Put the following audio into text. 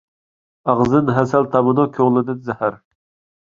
ئاغزىدىن ھەسەل تامىدۇ، كۆڭلىدىن زەھەر.